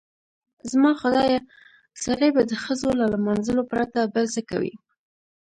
زما خدایه سړی به د ښځو له لمانځلو پرته بل څه کوي؟